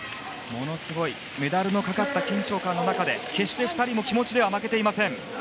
ものすごいメダルのかかった緊張感の中で決して２人も気持ちでは負けていません。